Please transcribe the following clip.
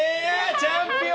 チャンピオン！